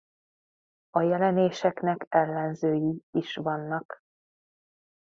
A jelenéseknek ellenzői is vannak.